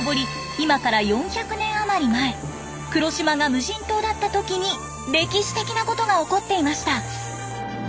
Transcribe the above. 今から４００年余り前黒島が無人島だった時に歴史的な事が起こっていました。